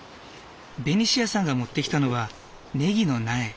ベニシアさんが持ってきたのはネギの苗。